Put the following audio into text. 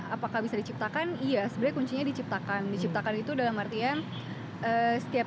apakah bisa diciptakan iya sebenarnya kuncinya diciptakan diciptakan itu dalam artian setiap